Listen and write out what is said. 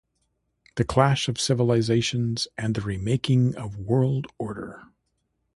The Clash of Civilizations and the Remaking of World Order.